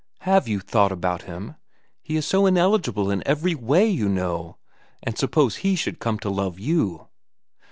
"Have you thought about him? He is so ineligible in every way, you know, and suppose he should come to love you?"